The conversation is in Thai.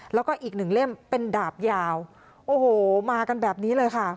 แล้วก็อีกหนึ่งเล่มเป็นดาบยาวโอ้โหมากันแบบนี้เลยค่ะ